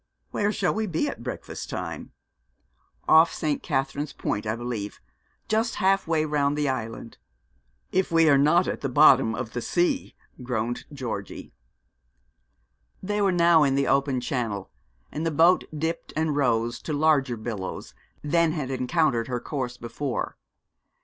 'Where shall we be at breakfast time?' 'Off St. Catherine's Point, I believe just half way round the island.' 'If we are not at the bottom of the sea,' groaned Georgie. They were now in the open Channel, and the boat dipped and rose to larger billows than had encountered her course before.